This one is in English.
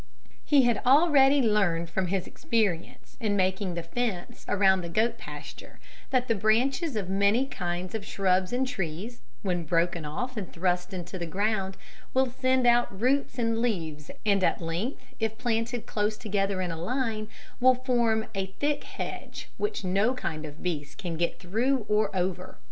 He had already learned from his experience in making the fence around the goat pasture that the branches of many kinds of shrubs and trees, when broken off and thrust into the ground, will send out roots and leaves and at length if planted close together in a line, will form a thick hedge which no kind of beast can get through or over.